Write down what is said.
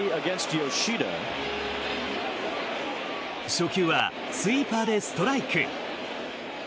初球はスイーパーでストライク。